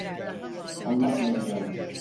Anlatmayacağım.